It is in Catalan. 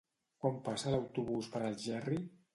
Quan passa l'autobús per Algerri?